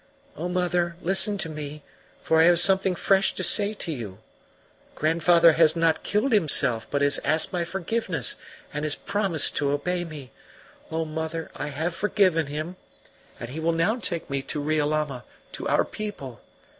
"O mother, listen to me, for I have something fresh to say to you. Grandfather has not killed himself, but has asked my forgiveness and has promised to obey me. O mother, I have forgiven him, and he will now take me to Riolama, to our people.